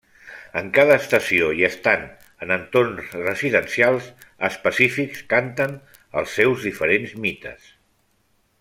En cada estació i estant en entorns residencials específics, canten els seus diferents mites.